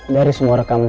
dari semua rekaman